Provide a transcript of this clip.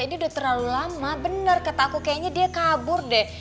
ini udah terlalu lama bener kata aku kayaknya dia kabur deh